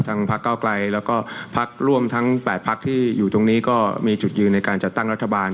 พักเก้าไกลแล้วก็พักร่วมทั้ง๘พักที่อยู่ตรงนี้ก็มีจุดยืนในการจัดตั้งรัฐบาล